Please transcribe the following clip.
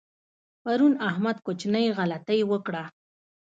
پرون احمد کوچنۍ غلطۍ وکړه.